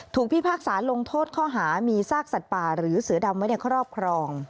พิพากษาลงโทษข้อหามีซากสัตว์ป่าหรือเสือดำไว้ในครอบครอง